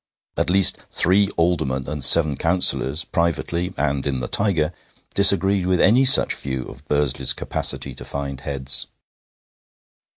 At least three Aldermen and seven Councillors privately, and in the Tiger, disagreed with any such view of Bursley's capacity to find heads.